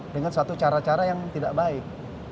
dengan suatu cara cara yang tidak baik